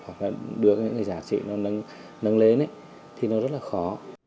hoặc là đưa cái giá trị nó nâng lên ấy thì nó rất là khó